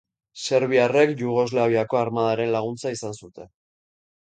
Serbiarrek Jugoslaviako Armadaren laguntza izan zuten.